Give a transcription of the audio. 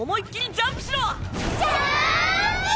ジャンプ！